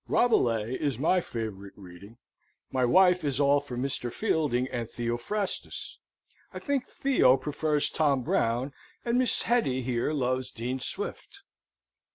Rabelais is my favourite reading. My wife is all for Mr. Fielding and Theophrastus. I think Theo prefers Tom Brown, and Mrs. Hetty here loves Dean Swift."